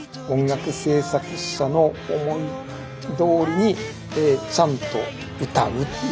音楽制作者の思いどおりにちゃんと歌う。